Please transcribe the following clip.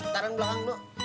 taruh belakang dulu